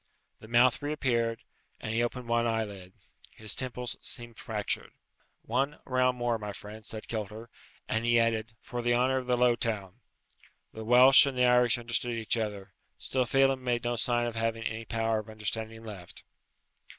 The mouth reappeared, and he opened one eyelid. His temples seemed fractured. "One round more, my friend," said Kilter; and he added, "for the honour of the low town." The Welsh and the Irish understand each other, still Phelem made no sign of having any power of understanding left.